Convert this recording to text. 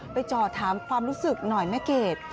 จ่อถามความรู้สึกหน่อยแม่เกด